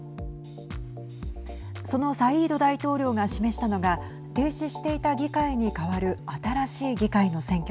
そのサイード大統領が示したのが停止していた議会に代わる新しい議会の選挙。